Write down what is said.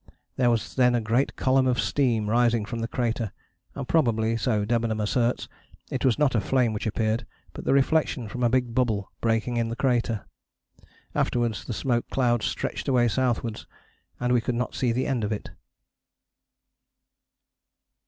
There was then a great column of steam rising from the crater, and probably, so Debenham asserts, it was not a flame which appeared, but the reflection from a big bubble breaking in the crater. Afterwards the smoke cloud stretched away southwards, and we could not see the end of it."